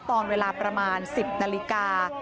ตอนเวลาประมาณ๑๐นาฬิกา